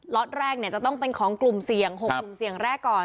็อตแรกจะต้องเป็นของกลุ่มเสี่ยง๖กลุ่มเสี่ยงแรกก่อน